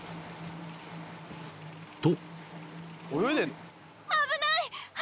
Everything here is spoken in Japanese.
［と］